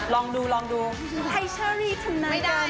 ลองดูให้เชอรี่ทำนายกัน